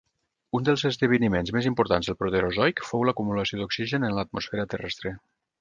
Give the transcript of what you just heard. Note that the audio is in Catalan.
Un dels esdeveniments més importants del Proterozoic fou l'acumulació d'oxigen en l'atmosfera terrestre.